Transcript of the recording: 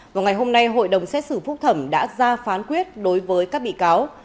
vào ngày hôm nay hội đồng xét xử phúc thẩm đã ra phán quyết đối với các bị cáo